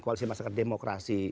koalisi masyarakat demokrasi